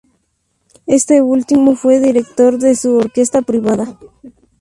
Este último fue director de su orquesta privada.